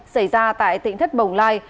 xảy ra tại tỉnh thất bồng lai